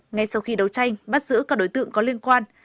ngay sau khi đấu tranh bắt giữ các đối tượng có liên quan